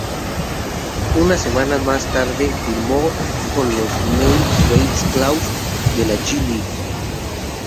Unas semanas más tarde firmó con los Maine Red Claws de la G League.